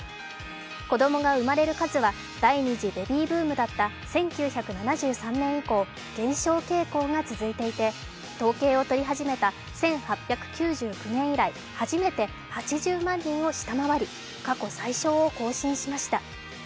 子供が生まれる数は第２次ベビーブームだった１９７３年以降、減少傾向が続いていて統計を取り始めた１８９９年以来始めて８０万人を下回り過去最少を更新しました。